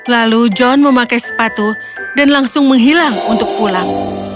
lalu john memakai sepatu dan langsung menghilang untuk pulang